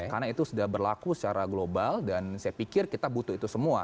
karena itu sudah berlaku secara global dan saya pikir kita butuh itu semua